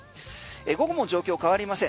午後も状況変わりません。